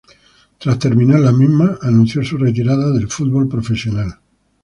Tras terminar la misma, anunció su retirada del fútbol profesional.